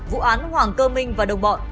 vụ án hoàng cơ minh và đồng bọn